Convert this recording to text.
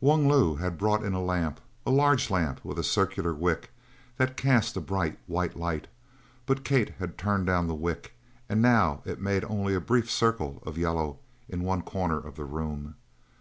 Wung Lu had brought in a lamp a large lamp with a circular wick that cast a bright, white light but Kate had turned down the wick, and now it made only a brief circle of yellow in one corner of the room.